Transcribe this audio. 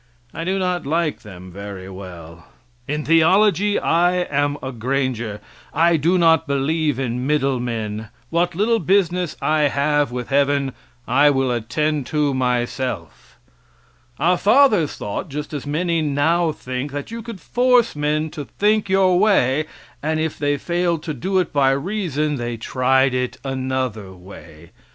I do not like them very well. In theology I am a granger I do not believe in middle men, what little business I have with heaven I will attend to thyself. Our fathers thought, just as many now think, that you could force men to think your way and if they failed to do it by reason, they tried it another way.